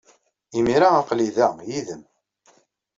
Imir-a, aql-iyi da, yid-m.